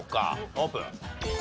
オープン。